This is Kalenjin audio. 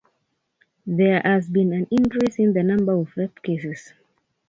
There has been an increase in the number of rape cases.